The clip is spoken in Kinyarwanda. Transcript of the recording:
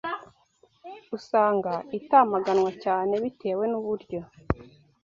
usanga itamaganwa cyane bitewe n’uburyo